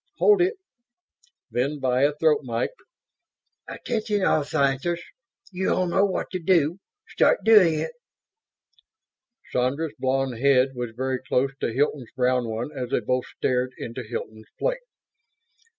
hold it!" Then, via throat mike, "Attention, all scientists! You all know what to do. Start doing it." Sandra's blonde head was very close to Hilton's brown one as they both stared into Hilton's plate.